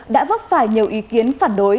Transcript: đã vấp phải nhiều ý kiến phản đối